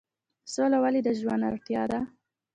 سوله ولې د ژوند اړتیا ده؟